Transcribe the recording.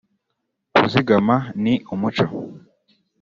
kuzigama ni umuco